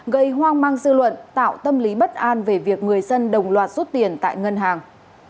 gây hoang mang dư luận tạo tâm lý bất an về việc người dân đồng loạt rút tiền tại ngân hàng